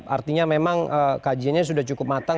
artinya memang kajiannya sudah cukup matang